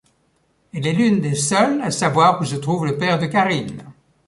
Elle est l'une des seul à savoir où se trouve le père de Karine.